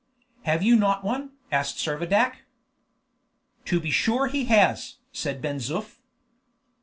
"Have you not one?" asked Servadac. "To be sure he has!" said Ben Zoof.